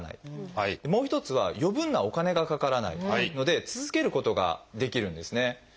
もう一つは余分なお金がかからないので続けることができるんですね。